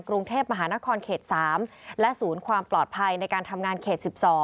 กรุงเทพมหานครเขต๓และศูนย์ความปลอดภัยในการทำงานเขต๑๒